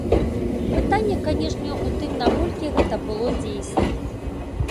Пытанне, канешне, у тым, наколькі гэта было дзейсным.